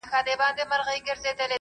کنجکی د لوی کندهار روح دی